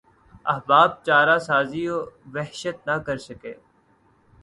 احباب چارہ سازیٴ وحشت نہ کرسکے